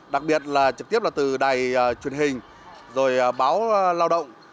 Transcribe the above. đặc biệt là trực tiếp là từ đài truyền hình rồi báo lao động